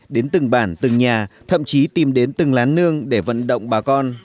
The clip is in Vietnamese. đến từng bản từng nhà thậm chí tìm đến từng lán nương để vận động bà con